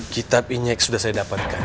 kitab injek sudah saya dapatkan